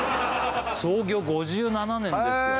創業５７年ですよ